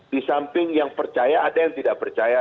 di samping yang percaya ada yang tidak percaya